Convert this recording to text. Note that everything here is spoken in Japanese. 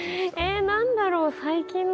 何だろう？